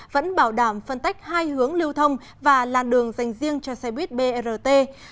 vẫn bảo đảm phân tách hai hướng lưu thông và làn đường dành riêng cho xe buýt brt